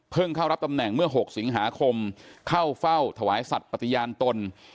เข้ารับตำแหน่งเมื่อ๖สิงหาคมเข้าเฝ้าถวายสัตว์ปฏิญาณตน